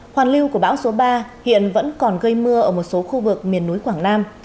hoàn lưu của bão số ba hiện vẫn còn gây mưa ở một số khu vực miền núi quảng nam